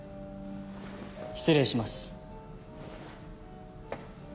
失礼します。